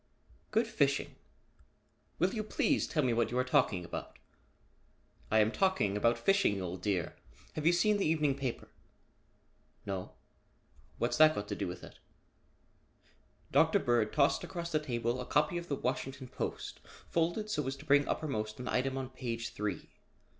"Good fishing? Will you please tell me what you are talking about?" "I am talking about fishing, old dear. Have you seen the evening paper?" "No. What's that got to do with it?" Dr. Bird tossed across the table a copy of the Washington Post folded so as to bring uppermost an item on page three.